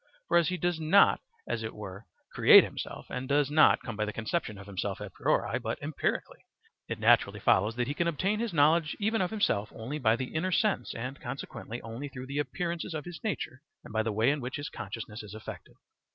For as he does not as it were create himself, and does not come by the conception of himself a priori but empirically, it naturally follows that he can obtain his knowledge even of himself only by the inner sense and, consequently, only through the appearances of his nature and the way in which his consciousness is affected.